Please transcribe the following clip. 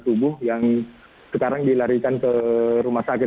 tubuh yang sekarang dilarikan ke rumah sakit